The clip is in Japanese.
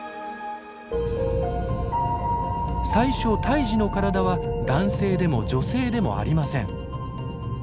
最初胎児の体は男性でも女性でもありません。